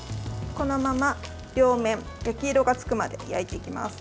このまま両面、焼き色がつくまで焼いていきます。